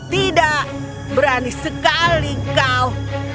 tidak berani sekali kau